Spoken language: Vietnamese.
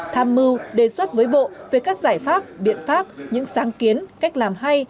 tham mưu đề xuất với bộ về các giải pháp biện pháp những sáng kiến cách làm hay